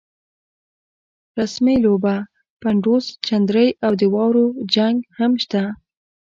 رسمۍ لوبه، پډوس، چندرۍ او د واورو جنګ هم شته.